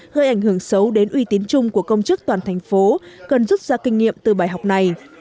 hơi ảnh hưởng xấu đến uy tín chung của công chức toàn thành phố cần rút ra kinh nghiệm từ bài học này